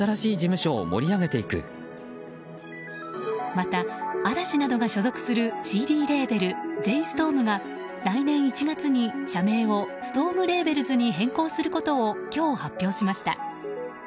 また嵐などが所属するＣＤレーベルジェイ・ストームが来年１月に社名をストームレーベルズに変更することを今日、発表しました。